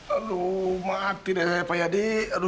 aduh maafin saya pak yadi